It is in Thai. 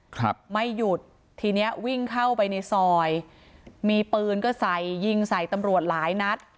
ครับไม่หยุดทีเนี้ยวิ่งเข้าไปในซอยมีปืนก็ใส่ยิงใส่ตำรวจหลายนัด